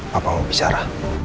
papa mau bicara